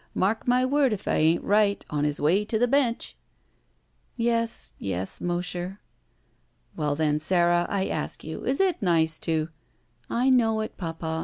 Mark my word if I ain't right, cm his way to the bench!'* *'Yes, yes, Mosher." "Well then, Sara, I ask you, is it nice to—" *'I know it, Papa.